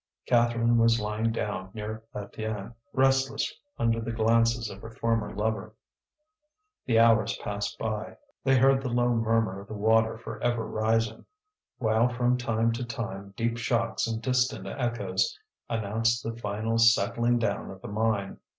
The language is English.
Catherine was lying down near Étienne, restless under the glances of her former lover. The hours passed by; they heard the low murmur of the water for ever rising; while from time to time deep shocks and distant echoes announced the final settling down of the mine.